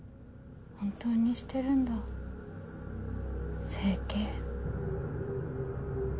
本当にしてるんだ整形。